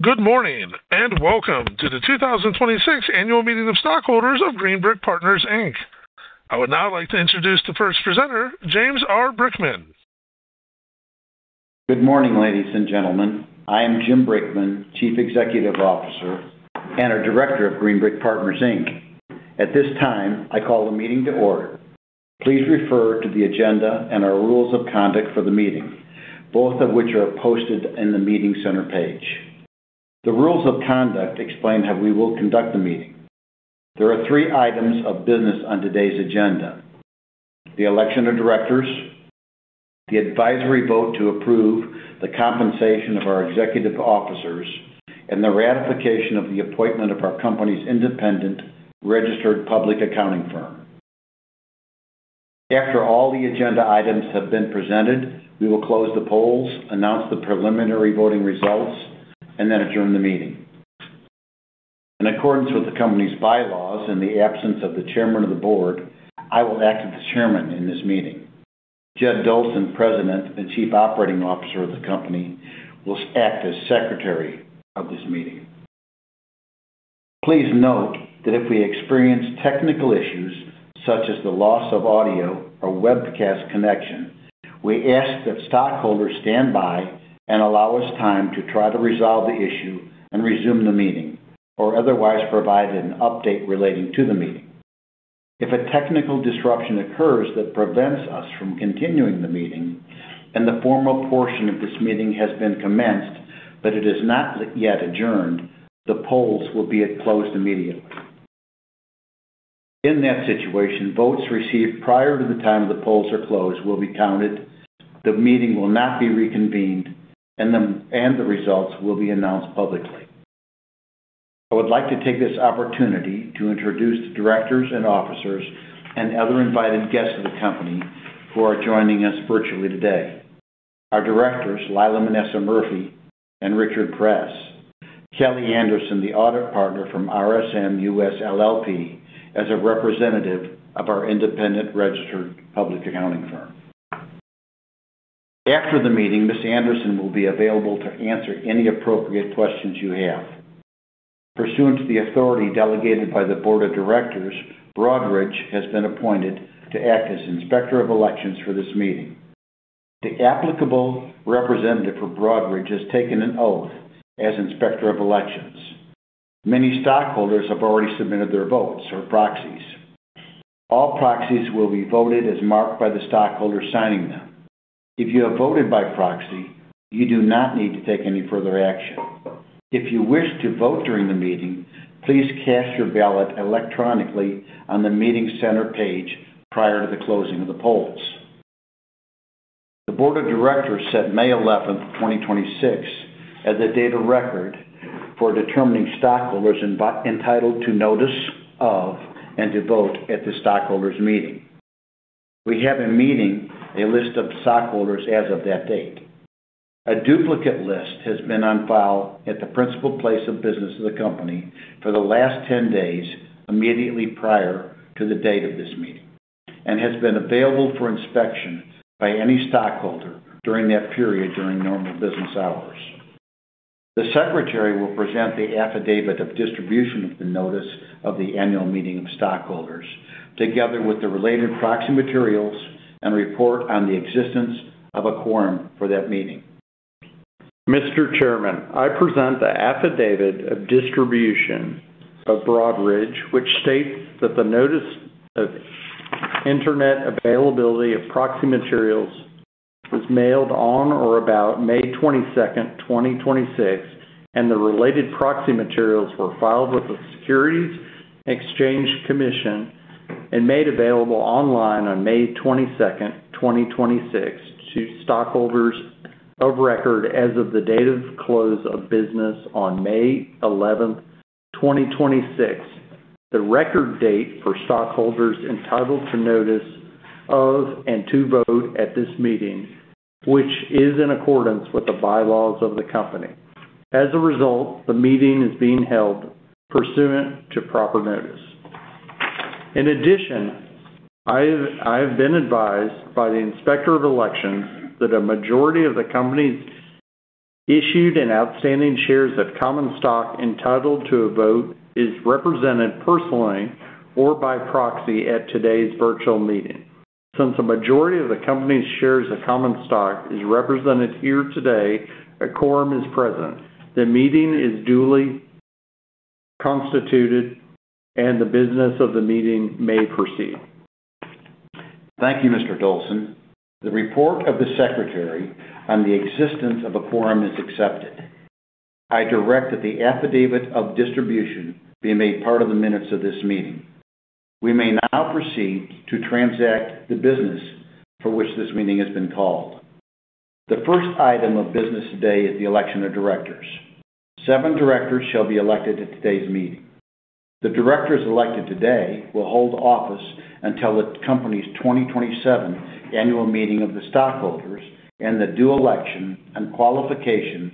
Good morning, welcome to the 2026 Annual Meeting of Stockholders of Green Brick Partners, Inc. I would now like to introduce the first presenter, James R. Brickman. Good morning, ladies and gentlemen. I am Jim Brickman, Chief Executive Officer and a Director of Green Brick Partners, Inc. At this time, I call the meeting to order. Please refer to the agenda and our rules of conduct for the meeting, both of which are posted in the meeting center page. The rules of conduct explain how we will conduct the meeting. There are three items of business on today's agenda: the election of directors, the advisory vote to approve the compensation of our executive officers, and the ratification of the appointment of our company's independent registered public accounting firm. After all the agenda items have been presented, we will close the polls, announce the preliminary voting results, then adjourn the meeting. In accordance with the company's bylaws, in the absence of the Chairman of the Board, I will act as the Chairman in this meeting. Jed Dolson, President and Chief Operating Officer of the company, will act as Secretary of this meeting. Please note that if we experience technical issues such as the loss of audio or webcast connection, we ask that stockholders stand by and allow us time to try to resolve the issue and resume the meeting or otherwise provide an update relating to the meeting. If a technical disruption occurs that prevents us from continuing the meeting and the formal portion of this meeting has been commenced, but it is not yet adjourned, the polls will be closed immediately. In that situation, votes received prior to the time the polls are closed will be counted, the meeting will not be reconvened, the results will be announced publicly. I would like to take this opportunity to introduce the directors and officers and other invited guests of the company who are joining us virtually today. Our directors, Lila Manassa Murphy and Richard Press. Kelly Anderson, the Audit Partner from RSM US LLP, as a representative of our independent registered public accounting firm. After the meeting, Ms. Anderson will be available to answer any appropriate questions you have. Pursuant to the authority delegated by the board of directors, Broadridge has been appointed to act as Inspector of Elections for this meeting. The applicable representative for Broadridge has taken an oath as Inspector of Elections. Many stockholders have already submitted their votes or proxies. All proxies will be voted as marked by the stockholder signing them. If you have voted by proxy, you do not need to take any further action. If you wish to vote during the meeting, please cast your ballot electronically on the meeting center page prior to the closing of the polls. The board of directors set May 11th, 2026, as the date of record for determining stockholders entitled to notice of and to vote at the stockholders meeting. We have a list of stockholders as of that date. A duplicate list has been on file at the principal place of business of the company for the last 10 days immediately prior to the date of this meeting and has been available for inspection by any stockholder during that period during normal business hours. The secretary will present the affidavit of distribution of the notice of the annual meeting of stockholders together with the related proxy materials and report on the existence of a quorum for that meeting. Mr. Chairman, I present the affidavit of distribution of Broadridge, which states that the notice of internet availability of proxy materials was mailed on or about May 22nd, 2026, and the related proxy materials were filed with the Securities and Exchange Commission and made available online on May 22nd, 2026 to stockholders of record as of the date of close of business on May 11th, 2026, the record date for stockholders entitled to notice of and to vote at this meeting, which is in accordance with the bylaws of the company. As a result, the meeting is being held pursuant to proper notice. In addition, I have been advised by the Inspector of Elections that a majority of the company's issued and outstanding shares of common stock entitled to a vote is represented personally or by proxy at today's virtual meeting. Since a majority of the company's shares of common stock is represented here today, a quorum is present. The meeting is duly constituted and the business of the meeting may proceed. Thank you, Mr. Dolson. The report of the secretary on the existence of a quorum is accepted. I direct that the affidavit of distribution be made part of the minutes of this meeting. We may now proceed to transact the business for which this meeting has been called. The first item of business today is the election of directors. Seven directors shall be elected at today's meeting. The directors elected today will hold office until the company's 2027 annual meeting of the stockholders and the due election and qualification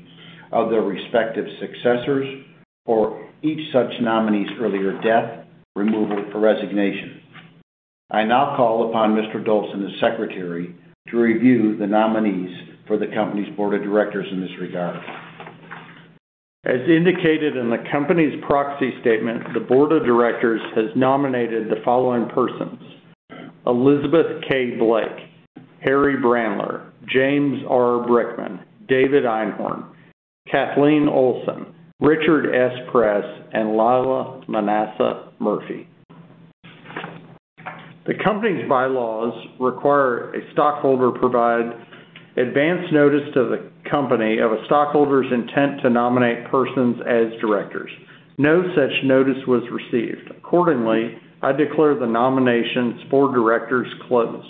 of their respective successors or each such nominee's earlier death, removal, or resignation. I now call upon Mr. Dolson, as Secretary, to review the nominees for the company's board of directors in this regard. As indicated in the company's proxy statement, the board of directors has nominated the following persons: Elizabeth K. Blake, Harry Brandler, James R. Brickman, David Einhorn, Kathleen Olsen, Richard S. Press, and Lila Manassa Murphy. The company's bylaws require a stockholder provide advance notice to the company of a stockholder's intent to nominate persons as directors. No such notice was received. Accordingly, I declare the nominations for directors closed.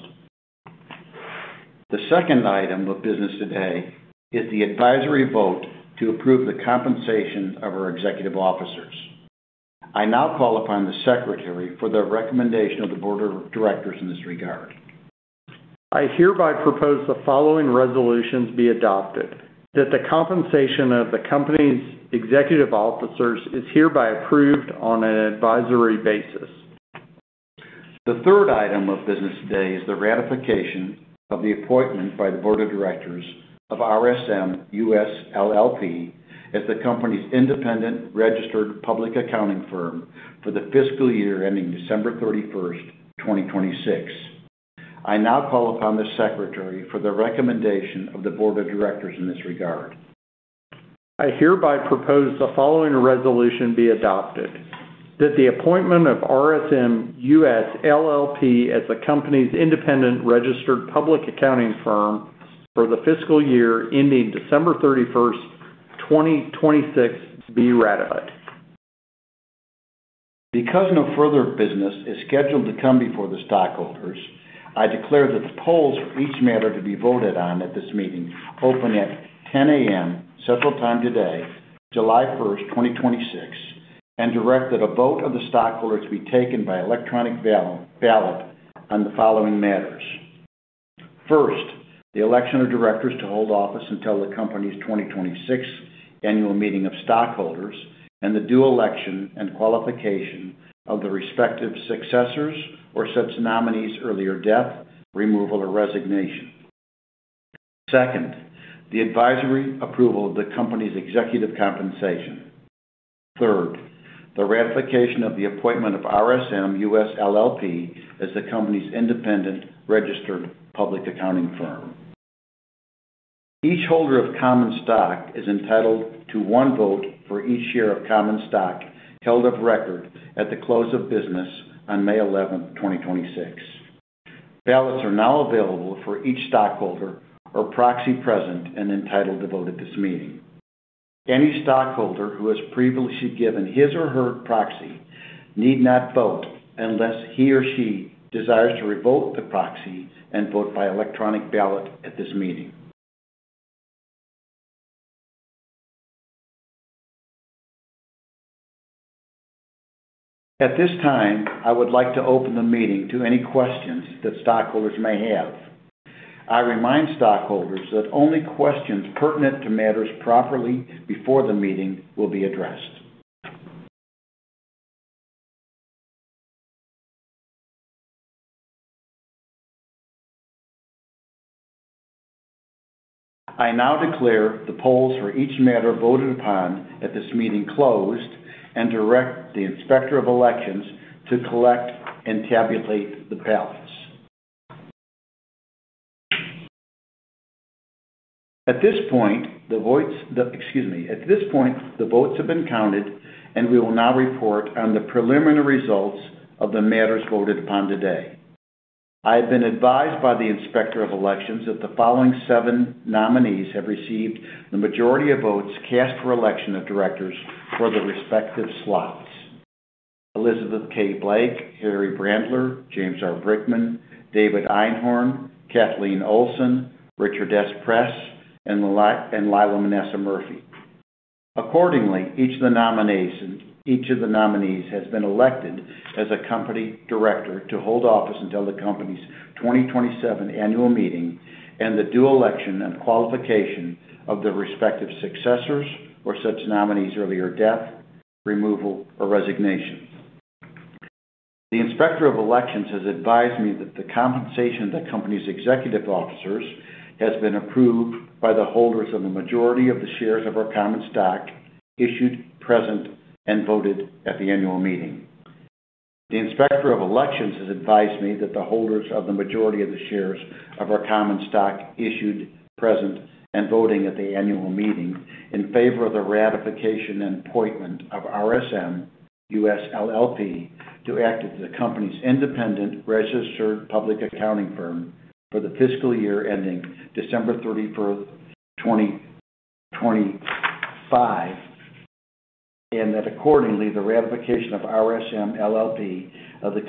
The second item of business today is the advisory vote to approve the compensation of our executive officers. I now call upon the Secretary for the recommendation of the board of directors in this regard. I hereby propose the following resolutions be adopted: that the compensation of the company's executive officers is hereby approved on an advisory basis. The third item of business today is the ratification of the appointment by the board of directors of RSM US LLP as the company's independent registered public accounting firm for the fiscal year ending December 31st, 2026. I now call upon the Secretary for the recommendation of the board of directors in this regard. I hereby propose the following resolution be adopted: that the appointment of RSM US LLP as the company's independent registered public accounting firm for the fiscal year ending December 31st, 2026, be ratified. No further business is scheduled to come before the stockholders, I declare that the polls for each matter to be voted on at this meeting open at 10:00 A.M. Central Time today, July 1st, 2026, and direct that a vote of the stockholders be taken by electronic ballot on the following matters. First, the election of directors to hold office until the company's 2026 annual meeting of stockholders and the due election and qualification of the respective successors or such nominees' earlier death, removal, or resignation. Second, the advisory approval of the company's executive compensation. Third, the ratification of the appointment of RSM US LLP as the company's independent registered public accounting firm. Each holder of common stock is entitled to one vote for each share of common stock held of record at the close of business on May 11th, 2026. Ballots are now available for each stockholder or proxy present and entitled to vote at this meeting. Any stockholder who has previously given his or her proxy need not vote unless he or she desires to revoke the proxy and vote by electronic ballot at this meeting. At this time, I would like to open the meeting to any questions that stockholders may have. I remind stockholders that only questions pertinent to matters properly before the meeting will be addressed. I now declare the polls for each matter voted upon at this meeting closed and direct the Inspector of Elections to collect and tabulate the ballots. At this point, the votes have been counted, and we will now report on the preliminary results of the matters voted upon today. I have been advised by the Inspector of Elections that the following seven nominees have received the majority of votes cast for election of directors for the respective slots. Elizabeth K. Blake, Harry Brandler, James R. Brickman, David Einhorn, Kathleen Olsen, Richard Press, and Lila Manassa Murphy. Accordingly, each of the nominees has been elected as a company director to hold office until the company's 2027 annual meeting and the due election and qualification of the respective successors or such nominees' earlier death, removal, or resignation. The Inspector of Elections has advised me that the compensation of the company's executive officers has been approved by the holders of the majority of the shares of our common stock issued, present, and voted at the annual meeting. The Inspector of Elections has advised me that the holders of the majority of the shares of our common stock issued, present, and voting at the annual meeting in favor of the ratification and appointment of RSM US LLP to act as the company's independent registered public accounting firm for the fiscal year ending December 31st, 2025, and that accordingly, the ratification of RSM US LLP of the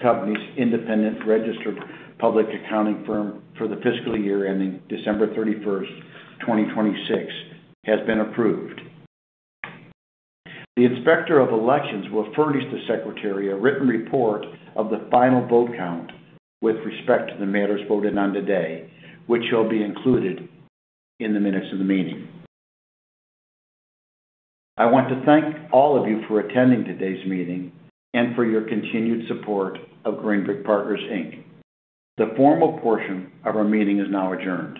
company's independent registered public accounting firm for the fiscal year ending December 31st, 2026, has been approved. The Inspector of Elections will furnish the Secretary a written report of the final vote count with respect to the matters voted on today, which shall be included in the minutes of the meeting. I want to thank all of you for attending today's meeting and for your continued support of Green Brick Partners, Inc. The formal portion of our meeting is now adjourned.